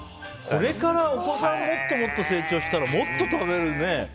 これからお子さんもっと成長したらもっと食べるね。